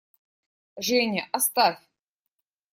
Женя, оставь!